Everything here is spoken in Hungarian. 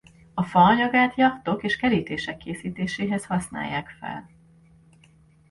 A faanyagát jachtok és kerítések készítéséhez használják fel.